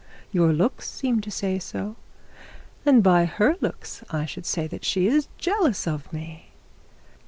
Your looks seem to say so; and by her looks I should say that she is jealous of me.